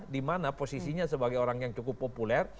di mana posisinya sebagai orang yang cukup populer